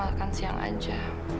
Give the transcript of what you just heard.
pas makan siang aja